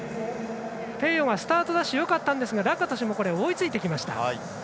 ペーヨーがスタートダッシュよかったですがラカトシュ追いついてきました。